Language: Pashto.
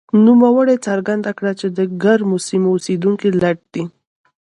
نوموړي څرګنده کړه چې د ګرمو سیمو اوسېدونکي لټ دي.